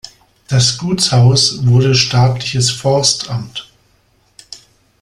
Das Gutshaus wurde staatliches Forstamt.